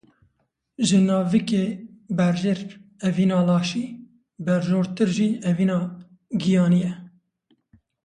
Ji navikê berjêr evîna laşî, berjortir jî evîna giyanî ye.